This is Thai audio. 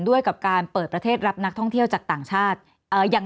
ด้วยกับการเปิดประเทศรับนักท่องเที่ยวจากต่างชาติยัง